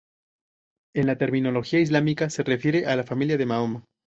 En la terminología Islámica, se refiere a la familia de Mahoma.